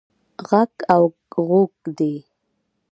ږغ او ږوغ دی.